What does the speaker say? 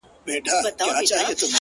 o ځوان لگيا دی ـ